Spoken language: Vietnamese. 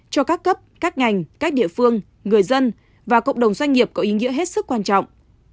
cho các cấp các ngành các địa phương người dân và cộng đồng doanh nghiệp có ý nghĩa hết sức quan trọng